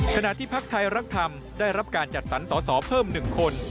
ขณะที่พักไทยรักธรรมได้รับการจัดสรรสอสอเพิ่ม๑คน